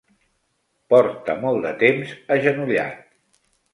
Porta molt de temps agenollat.